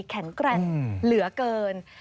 แข็งแกร่งเหลือเกิน